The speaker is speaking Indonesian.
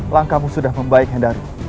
langkahmu sudah membaik hindaru